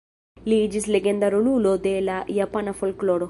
Li iĝis legenda rolulo de la japana folkloro.